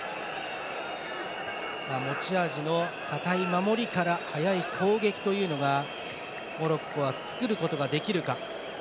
持ち味の堅い守りから速い攻撃というのがモロッコは作ることができるか。